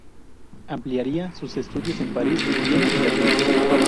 Ampliaría sus estudios en París, Viena y Berlín.